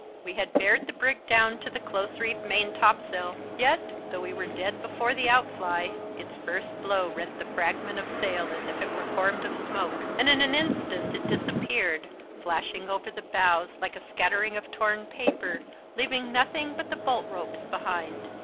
We had bared the brig down to the close reefed main topsail; yet, though we were dead before the outfly, its first blow rent the fragment of sail as if it were formed of smoke, and in an instant it disappeared, flashing over the bows like a scattering of torn paper, leaving nothing but the bolt ropes behind.